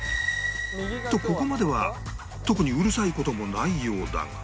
とここまでは特にうるさい事もないようだが